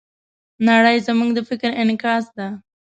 نړۍ زموږ د فکر انعکاس ده.